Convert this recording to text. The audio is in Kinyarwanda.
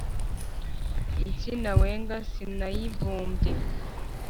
insina wenga sinayivumbye